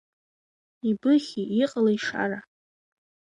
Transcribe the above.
Ибыхьи, иҟалеи, Шара?